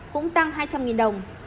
cũng tăng hai trăm linh đồng